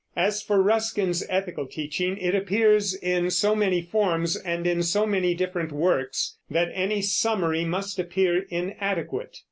As for Ruskin's ethical teaching, it appears in so many forms and in so many different works that any summary must appear inadequate.